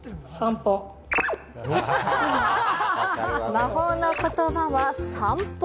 魔法の言葉は、散歩。